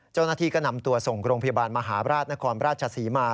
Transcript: เจ้าหน้าที่ก็นำตัวส่งโรงพยาบาลมหาราชนครราชศรีมา